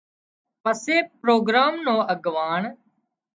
پسي پروگرام نو اڳواڻ